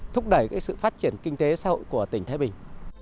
thúc đẩy sự phát triển kinh tế xã hội của tỉnh thái bình